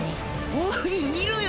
おい見ろよ